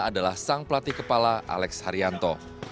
adalah sang pelatih kepala alex haryanto